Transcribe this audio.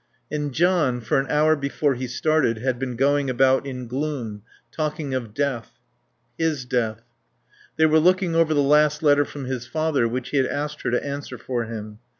And John, for an hour before he started, had been going about in gloom, talking of death. His death. They were looking over the last letter from his father which he had asked her to answer for him.